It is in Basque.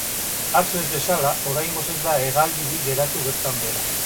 Atzo ez bezala, oraingoz ez da hegaldirik geratu bertan behera.